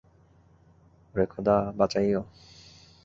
ওরে খোদা, বাচাইয়ো।